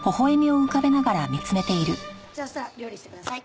じゃあ料理してください。